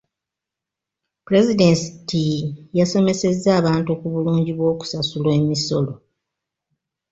Pulezidenti yasomesezza abantu ku bulungi bw'okusasula emisolo.